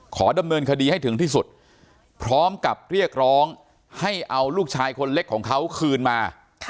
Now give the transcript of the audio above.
ขอดำเนินคดีให้ถึงที่สุดพร้อมกับเรียกร้องให้เอาลูกชายคนเล็กของเขาคืนมา